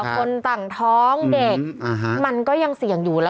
คนต่างท้องเด็กมันก็ยังเสี่ยงอยู่แล้ว